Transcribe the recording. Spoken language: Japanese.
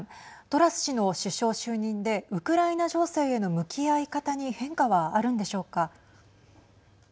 トラス氏の首相就任でウクライナ情勢への向き合い方に変化はあるんでしょうか。